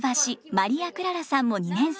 麻里亜クララさんも２年生。